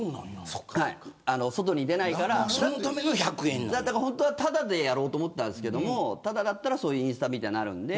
外に出ないから本当はただでやろうと思ったんですけれどただならインスタみたいになるので。